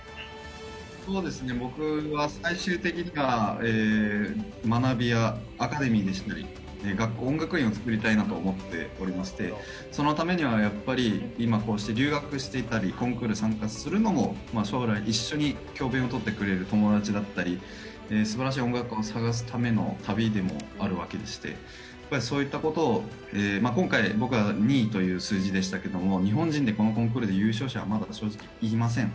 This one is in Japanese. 僕は最終的には、学びや、アカデミーでしたり学校、音楽院を作りたいなと思ってましてそのためにはやっぱり今、こうして留学していたりコンクールに参加するのも将来、一緒に教べんをとってくれる友達だったりすばらしい音楽を探すための旅でもあるわけでそういったことを今回僕は２位という数字でしたけど日本人でこのコンクールで優勝者はまだいません。